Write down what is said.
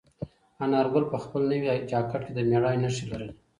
انارګل په خپل نوي جاکټ کې د مېړانې نښې لرلې.